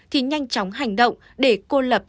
thì nhanh chóng hành động để cô lập